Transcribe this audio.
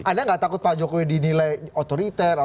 anda nggak takut pak jokowi dinilai otoriter